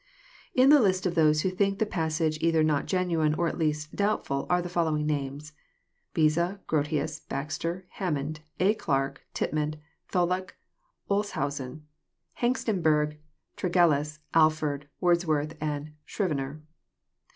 In the list of those who think the passage either not genuine, or at least doubtfuU are the following names :— Beza, Grotius, Baxter, Hammond, A. Clark, Tittman, Tholuck, Olshausen, Hengstenberg, Tregelles, Alford, Wordsworth, Scrivener.